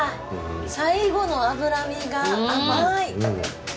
最後の脂身が甘い。